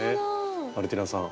マルティナさん。